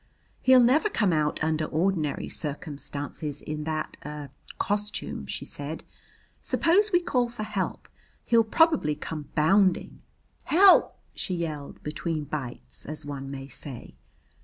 "He'll never come out under ordinary circumstances in that er costume," she said. "Suppose we call for help. He'll probably come bounding. Help!" she yelled, between bites, as one may say.